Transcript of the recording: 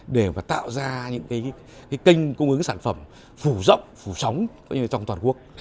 để mà tạo ra những cái kênh cung ứng sản phẩm phủ rộng phủ sóng trong toàn quốc